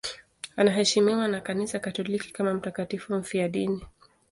Anaheshimiwa na Kanisa Katoliki kama mtakatifu mfiadini.